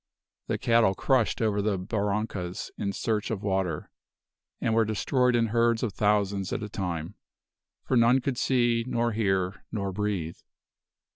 The cattle crushed over the barrancas in search of water, and were destroyed in herds of thousands at a time; for none could see, nor hear, nor breathe.